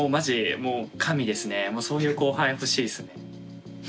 もうそういう後輩欲しいですね。